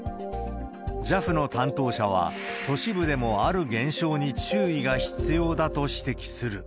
ＪＡＦの担当者は、都市部でもある現象に注意が必要だと指摘する。